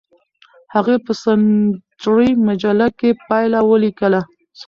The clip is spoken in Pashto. هغې په سنچري مجله کې پایله ولیکله.